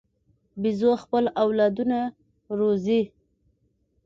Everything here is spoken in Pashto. بیزو خپل اولادونه روزي.